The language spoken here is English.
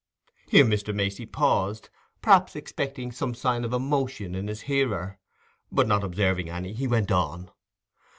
Here Mr. Macey paused, perhaps expecting some sign of emotion in his hearer; but not observing any, he went on.